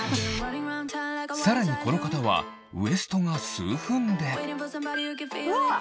さらにこの方はウエストが数分でうわっ！